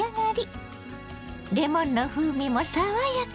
レモンの風味も爽やか。